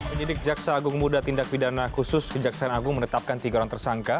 penyidik jaksa agung muda tindak pidana khusus kejaksaan agung menetapkan tiga orang tersangka